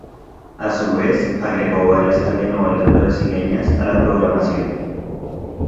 A su vez, agregó varias telenovelas brasileñas a la programación.